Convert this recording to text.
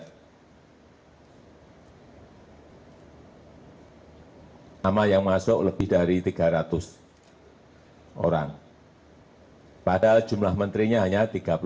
nama yang masuk lebih dari tiga ratus orang padahal jumlah menterinya hanya tiga puluh lima